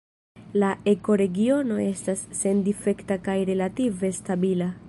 La ekoregiono estas sendifekta kaj relative stabila.